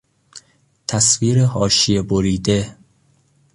تصویر حاشیه بریده